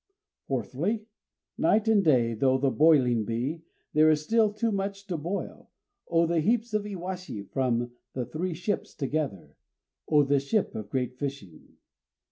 _ Fourthly, Night and day though the boiling be, there is still too much to boil oh, the heaps of iwashi from the three ships together! _O this ship of great fishing!